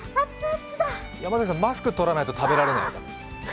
山崎さん、マスク取らないと食べられないよ。